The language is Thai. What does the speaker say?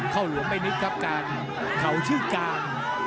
เข้าหลวงไปนิดครับกางเข่าชื่อกาง